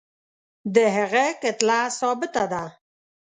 د هغه کتله ثابته ده.